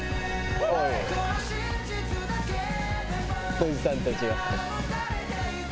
おじさんたちが。